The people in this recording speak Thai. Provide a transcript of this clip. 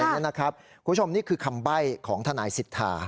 คุณผู้ชมนี่คือคำใบ้ของทนายสิทธา